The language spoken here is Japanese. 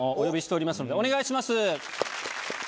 お願いします。